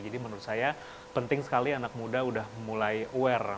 jadi menurut saya penting sekali anak muda sudah mulai aware